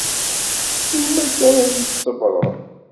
Melmi akka ara yi-tṣebbreḍ?